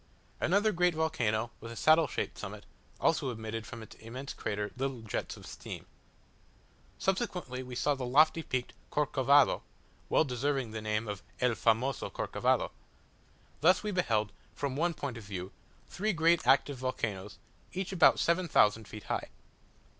Another great volcano, with a saddle shaped summit, also emitted from its immense crater little jets of steam. Subsequently we saw the lofty peaked Corcovado well deserving the name of "el famoso Corcovado." Thus we beheld, from one point of view, three great active volcanoes, each about seven thousand feet high.